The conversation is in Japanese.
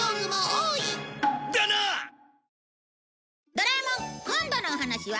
『ドラえもん』今度のお話は